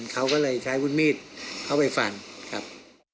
เขาก็เลยใช้วุฒิมีดเข้าไปฟันครับ